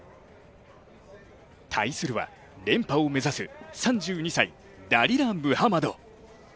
対するは、連覇を目指す３２歳、ダリラ・ムハマド。